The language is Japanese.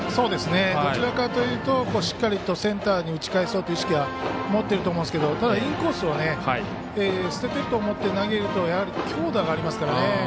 どちらかというとしっかりとセンターに打ち返そうという意識は持っていると思うんですがただ、インコースを捨てていると思って投げると、強打がありますから。